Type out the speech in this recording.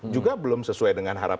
juga belum sesuai dengan hal hal